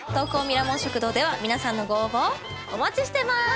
ミラモン食堂では皆さんのご応募をお待ちしてます。